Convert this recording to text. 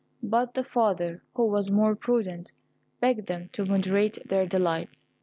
But the father, who was more prudent, begged them to moderate their delight.